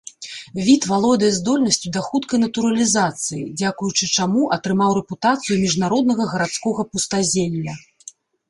Від валодае здольнасцю да хуткай натуралізацыі, дзякуючы чаму атрымаў рэпутацыю міжнароднага гарадскога пустазелля.